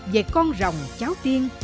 về con rồng cháu tiên